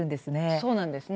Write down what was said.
そうなんですね